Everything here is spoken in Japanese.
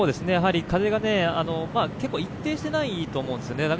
風が一定してないと思うんですよね。